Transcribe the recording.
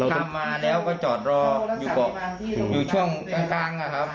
ข้ามมาแล้วก็จอดรออยู่ช่วงกลางครับ